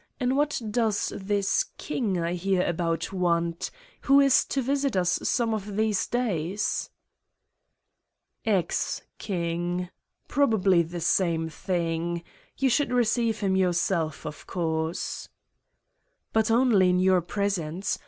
And what does this 166 Satan's Diary king I hear about want, he who is to visit us some of these days?" " Ex king. Probably the same thing. You should receive him yourself, of course." "But only in your presence.